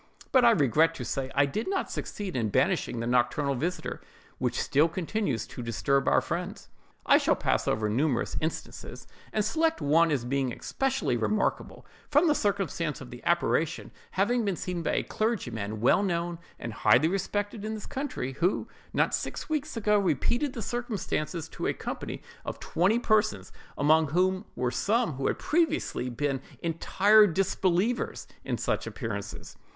But I regret to say I did not succeed in banishing the nocturnal visiter, which still continues to disturb our friends. "I shall pass over numerous instances, and select one as being especially remarkable, from the circumstance of the apparition having been seen by a clergyman well known and highly respected in this county, who, not six weeks ago, repeated the circumstances to a company of twenty persons, among whom were some who had previously been entire disbelievers in such appearances.